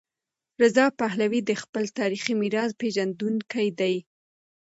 رضا پهلوي د خپل تاریخي میراث پیژندونکی دی.